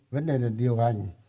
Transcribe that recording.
vấn đề là điều hành